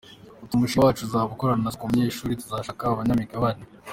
Ati “Umushinga wacu uzaba ukora nka ‘Sacco Umunyeshuri’, tuzashaka abanyamigabane.